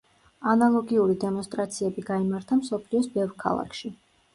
ანალოგიური დემონსტრაციები გაიმართა მსოფლიოს ბევრ ქალაქში.